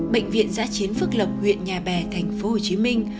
bệnh viện giã chiến phước lộc huyện nhà bè thành phố hồ chí minh